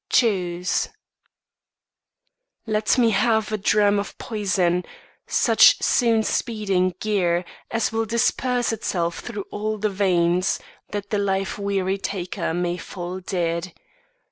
XXX "CHOOSE" Let me have A dram of poison; such soon speeding geer As will disperse itself through all the veins, That the life weary taker may fall dead.